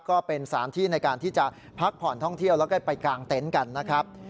ก็เป็นสารที่ในการที่จะพักผ่อนท่องเที่ยวแล้วก็ไปกางเต็นต์กันนะครับ